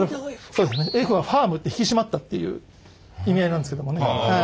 そうですねＦは「ファーム」って引き締まったっていう意味合いなんですけどもね。